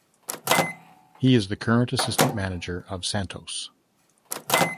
He is the current assistant manager of Santos.